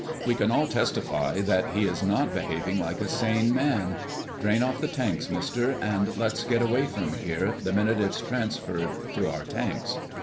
We can all testify that he is not behaving like a sane man. Drain off that gas, Mister, and let's get away from here the minute it's transferred to our tanks."